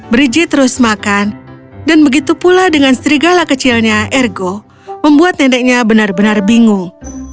brigi terus makan dan begitu pula dengan serigala kecilnya ergo membuat neneknya benar benar bingung